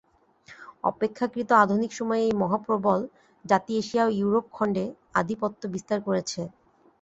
অপেক্ষাকৃত আধুনিক সময়ে এই মহাপ্রবল জাতি এশিয়া ও ইউরোপ খণ্ডে আধিপত্য বিস্তার করেছে।